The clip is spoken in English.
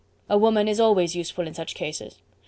"A woman is always useful in such cases.